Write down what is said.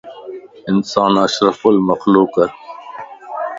انسان اشرفُ المخلوقَ